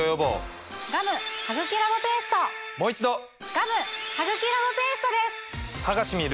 ガム・ハグキラボペーストです！